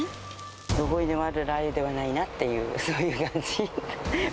どこにでもあるラー油ではないなっていう、そういう感じ。